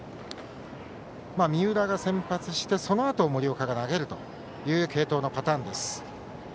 三浦が先発してそのあと森岡が投げるという継投のパターンです。